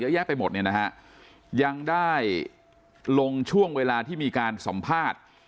เยอะแยะไปหมดเนี่ยนะฮะยังได้ลงช่วงเวลาที่มีการสัมภาษณ์